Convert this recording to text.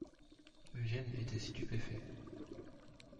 Eugène était stupéfait.